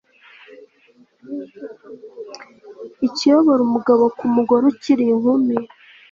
ikiyobora umugabo ku mugore ukiri inkumi